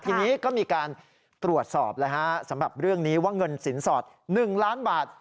ทีนี้ก็มีการตรวจสอบแล้วฮะสำหรับเรื่องนี้ว่าเงินสินสอด๑ล้านบาท